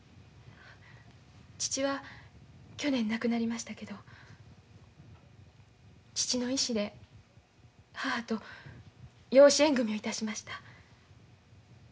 父は去年亡くなりましたけど父の遺志で母と養子縁組みをいたしました。